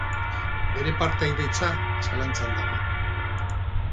Bere partaidetza zalantzan dago.